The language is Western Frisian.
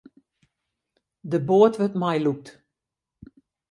De boat wurdt meilûkt.